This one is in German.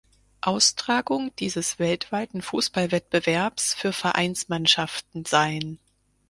Austragung dieses weltweiten Fußballwettbewerbs für Vereinsmannschaften sein.